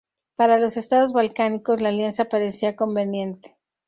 Para los Estados balcánicos, la alianza parecía conveniente.